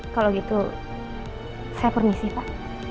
kalau gitu saya permisi pak